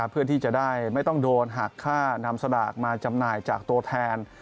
เพื่อที่จะได้ไม่ต้องโดนหักค่านำสลากมาจำหน่ายจากตัวแทน